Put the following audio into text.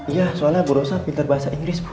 iya soalnya bu rosa pinter bahasa inggris bu